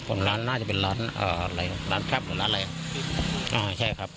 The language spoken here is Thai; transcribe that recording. ของร้านน่าจะเป็นร้านเอ่ออะไรร้านแคปหรือร้านอะไรอ่าใช่ครับ